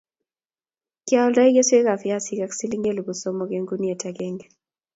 Kialdoi keswek ab viazik ak siling elipu somok eng' guniet ag'eng'e